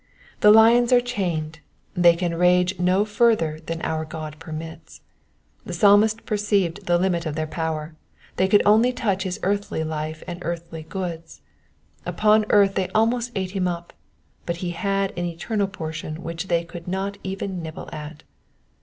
The lions are chained : they can rage no further than our God permits. The Psalmist perceives the limit of their power : they could only touch his earthly life and earthly goods. Upon earth they almost ate him up, but he had an eternal portion which they could not even nibble at.